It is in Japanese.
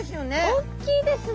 おっきいですね。